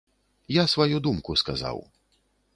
Я сваю думку сказаў.